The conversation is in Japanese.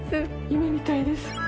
夢みたいです。